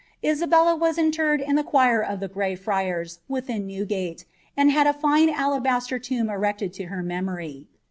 Isabella was interred in the choir of the Grey Friars, within Newgate, and had a fine alabaster tomb erected to her memoiy.